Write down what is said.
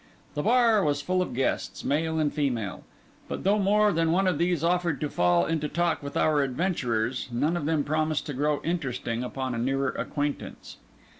The bar was full of guests, male and female; but though more than one of these offered to fall into talk with our adventurers, none of them promised to grow interesting upon a nearer acquaintance.